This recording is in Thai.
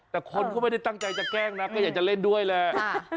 แต่คนก็ไม่ได้ตั้งใจจะแกล้งนะก็อยากจะเล่นด้วยแหละ